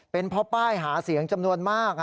เป็นเพราะป้ายหาเสียงจำนวนมาก